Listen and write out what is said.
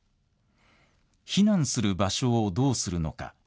避難する場所をどうするのか。